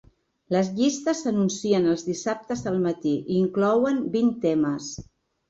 Les llistes s'anuncien els dissabtes al matí i inclouen vint temes.